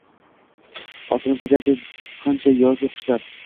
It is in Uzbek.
Ortimizda garchi qancha yozu qishlar